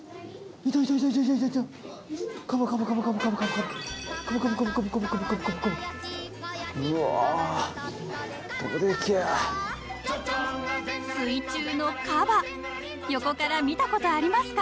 ［水中のカバ横から見たことありますか？］